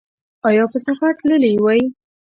ایا په سفر تللي وئ؟